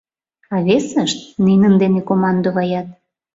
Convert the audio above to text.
А весышт нинын дене командоваят.